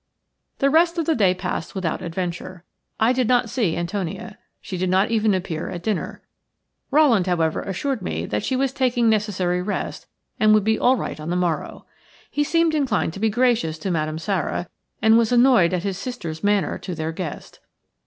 The rest of the day passed without adventure. I did not see Antonia. She did not even appear at dinner. Rowland, however, assured me that she was taking necessary rest and would be all right on the morrow. He seemed inclined to be gracious to Madame Sara, and was annoyed at his sister's manner to their guest.